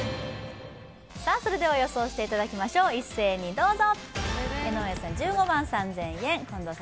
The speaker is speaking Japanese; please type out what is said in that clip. それでは予想していただきましょう、一斉にどうぞ。